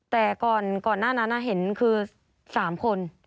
แต่ก่อนหน้านั้นเห็นคือ๓คน